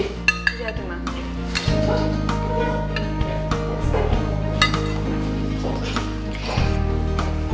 ini pak suria